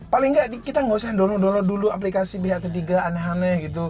paling ga kita ga usah download download dulu aplikasi pihak ketiga aneh aneh gitu